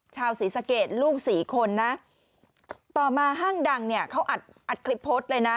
ชาวศรีสะเกดลูกสี่คนนะต่อมาห้างดังเนี่ยเขาอัดอัดคลิปโพสต์เลยนะ